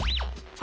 あ！